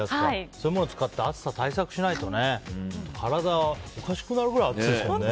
そういうもの使って暑さ対策しないと体、おかしくなるくらい暑いですよね。